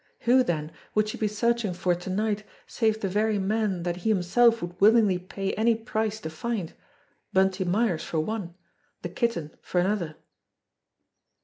Who, then, would she be searching for to night save the very men that he himself would willingly pay any price to find Bunty Myers for one, the Kitten for another!